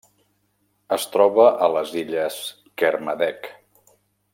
Es troba a les Illes Kermadec.